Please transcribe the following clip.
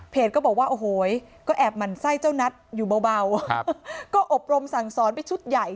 ก็บอกว่าโอ้โหก็แอบหมั่นไส้เจ้านัทอยู่เบาก็อบรมสั่งสอนไปชุดใหญ่